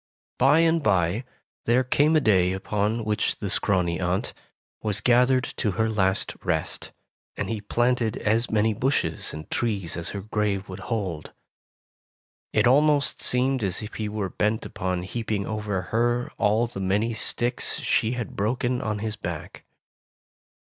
Bye and bye, there came a day upon which the scrawny aunt was gathered to her last rest, and he planted as many bushes and trees as her grave would hold. It almost seemed as if he were bent upon heaping over her all the many sticks she had broken on his back.